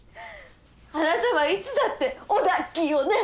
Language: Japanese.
あなたはいつだって「オダキ」よね。